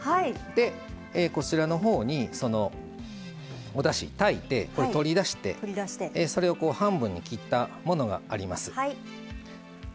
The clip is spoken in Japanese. でこちらのほうにそのおだし炊いて取り出してそれを半分に切ったものがあります。